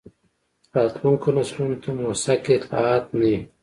راتلونکو نسلونو ته موثق اطلاعات نه وي.